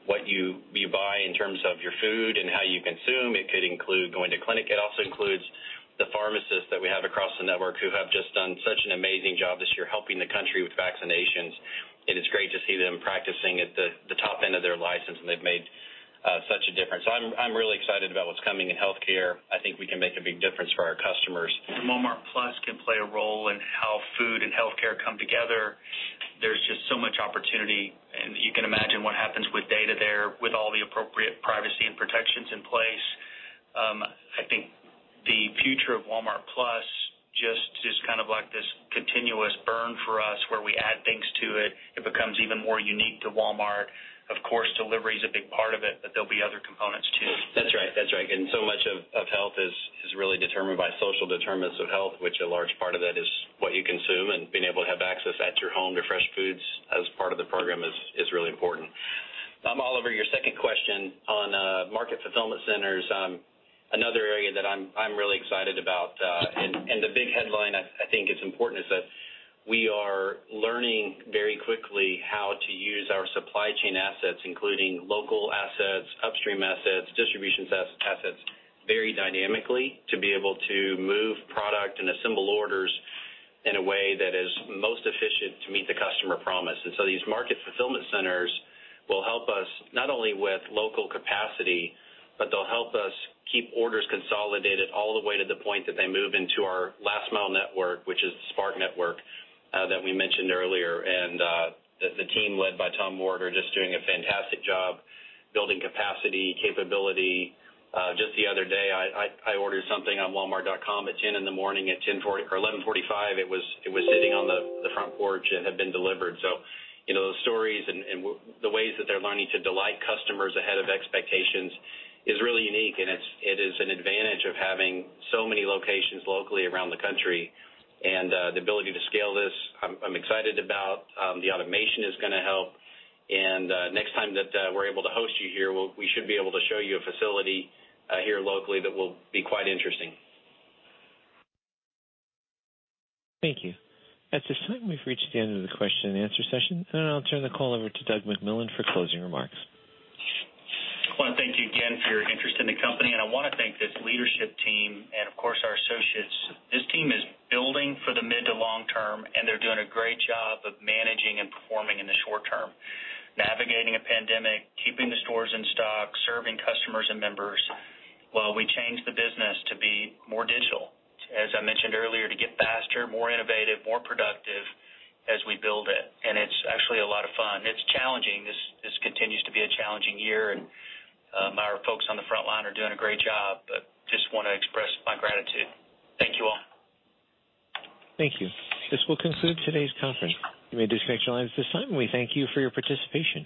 what you buy in terms of your food and how you consume. It could include going to clinic. It also includes the pharmacists that we have across the network who have just done such an amazing job this year helping the country with vaccinations, it's great to see them practicing at the top end of their license, they've made such a difference. I'm really excited about what's coming in healthcare. We can make a big difference for our customers. Walmart+ can play a role in how food and healthcare come together. There's just so much opportunity, and you can imagine what happens with data there, with all the appropriate privacy and protections in place. I think the future of Walmart+ just is kind of like this continuous burn for us, where we add things to it. It becomes even more unique to Walmart. Of course, delivery is a big part of it, but there'll be other components, too. That's right. So much of health is really determined by social determinants of health, which a large part of that is what you consume, and being able to have access at your home to fresh foods as part of the program is really important. Oliver, your second question on market fulfillment centers, another area that I'm really excited about. The big headline, I think, that's important is that we are learning very quickly how to use our supply chain assets, including local assets, upstream assets, distribution assets, very dynamically to be able to move product and assemble orders in a way that is most efficient to meet the customer promise. These market fulfillment centers will help us not only with local capacity, but they'll help us keep orders consolidated all the way to the point that they move into our last-mile network, which is Spark Driver, that we mentioned earlier. The team led by Tom Ward are just doing a fantastic job building capacity, capability. Just the other day, I ordered something on walmart.com at 10:00 A.M. At 11:45 A.M., it was sitting on the front porch and had been delivered. Those stories and the ways that they're learning to delight customers ahead of expectations is really unique, and it is an advantage of having so many locations locally around the country. The ability to scale this, I'm excited about. The automation is going to help. Next time that we're able to host you here, we should be able to show you a facility here locally that will be quite interesting. Thank you. At this time, we've reached the end of the question and answer session. I'll turn the call over to Doug McMillon for closing remarks. I want to thank you again for your interest in the company. I want to thank this leadership team and, of course, our associates. This team is building for the mid to long term. They're doing a great job of managing and performing in the short term. Navigating a pandemic, keeping the stores in stock, serving customers and members while we change the business to be more digital. As I mentioned earlier, to get faster, more innovative, more productive as we build it. It's actually a lot of fun. It's challenging. This continues to be a challenging year. Our folks on the frontline are doing a great job. Just want to express my gratitude. Thank you all. Thank you. This will conclude today's conference. You may disconnect your lines at this time. We thank you for your participation.